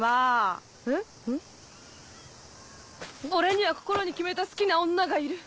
「俺には心に決めた好きな女がいる」。